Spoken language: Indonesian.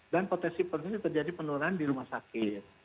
dan potensi penurunan terjadi penurunan di rumah sakit